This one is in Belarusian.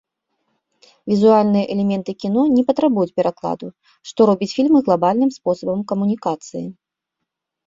Візуальныя элементы кіно не патрабуюць перакладу, што робіць фільмы глабальным спосабам камунікацыі.